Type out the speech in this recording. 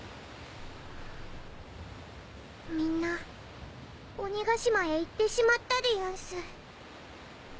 みんな鬼ヶ島へ行ってしまったでやんす。